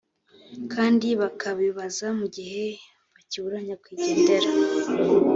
kandi bakabibaza mu gihe bakibura nyakwigendera